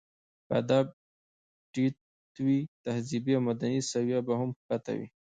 که ادب ټيت وي، تهذيبي او مدني سويه به هم ښکته وي.